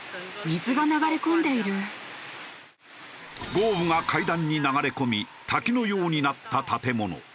豪雨が階段に流れ込み滝のようになった建物。